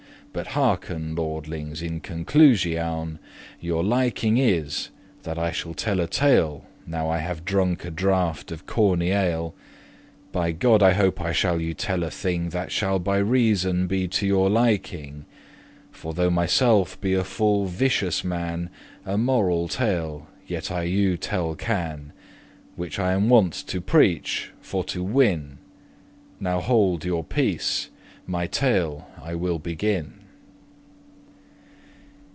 But hearken, lordings, in conclusioun; Your liking is, that I shall tell a tale Now I have drunk a draught of corny ale, By God, I hope I shall you tell a thing That shall by reason be to your liking; For though myself be a full vicious man, A moral tale yet I you telle can, Which I am wont to preache, for to win. Now hold your peace, my tale I will begin.